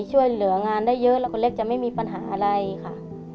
ช่วยเหลืองานได้เยอะแล้วก็เล็กจะไม่มีปัญหาอะไรค่ะ